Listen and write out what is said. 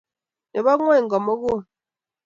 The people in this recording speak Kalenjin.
Ne bo ng'ony ko-mugul.